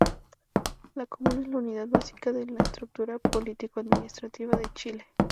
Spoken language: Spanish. La comuna es la unidad básica de la estructura político-administrativa de Chile.